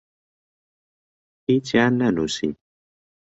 هیچیان نەنووسی.